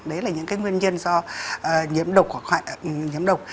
đấy là những cái nguyên nhân do nhiễm độc hoặc nhiễm độc